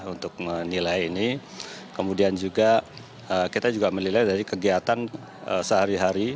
untuk menilai ini kemudian juga kita juga menilai dari kegiatan sehari hari